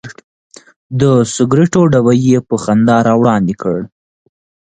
د سګرټو ډبی یې په خندا راوړاندې کړ.